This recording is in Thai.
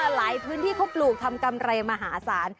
หลายพื้นที่เขาปลูกทำกำไรมหาศาล